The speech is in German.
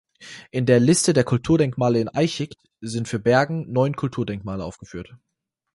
In der "Liste der Kulturdenkmale in Eichigt" sind für Bergen neun Kulturdenkmale aufgeführt.